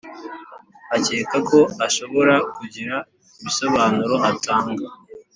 akeka ko ashobora kugira ibisobanuro atanga